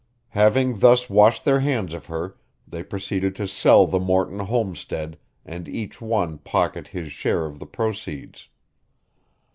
Having thus washed their hands of her they proceeded to sell the Morton homestead and each one pocket his share of the proceeds.